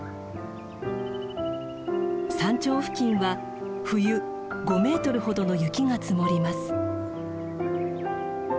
山頂付近は冬５メートルほどの雪が積もります。